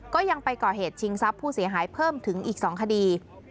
ก็ยังไปก่อเหตุชิงทรัพย์ผู้เสียหายเพิ่มถึงอีก๒คดี